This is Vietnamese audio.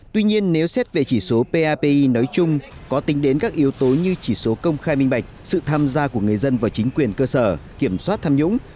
tuy nhiên nếu xét về chỉ số papi nói chung có tính đến các yếu tố như chỉ số công khai minh bạch sự tham gia của người dân và chính quyền cơ sở kiểm soát tham nhũng